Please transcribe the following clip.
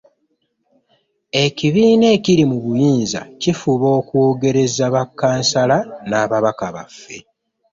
Ekibiina ekiri mu buyinza kifuba okwogereza bakkansala n'ababaka baffe